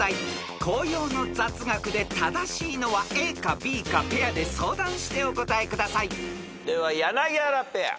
［紅葉の雑学で正しいのはＡかＢかペアで相談してお答えください］では柳原ペア。